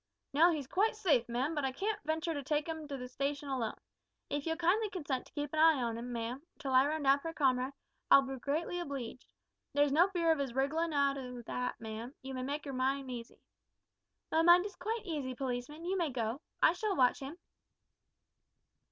"Now he's quite safe, ma'am, but I can't venture to take 'im to the station alone. If you'll kindly consent to keep an eye on him, ma'am, till I run down for a comrade, I'll be greatly obleeged. There's no fear of his wrigglin' out o' that, ma'am; you may make your mind easy." "My mind is quite easy, policeman; you may go. I shall watch him."